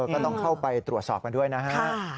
ก็ต้องเข้าไปตรวจสอบกันด้วยนะฮะ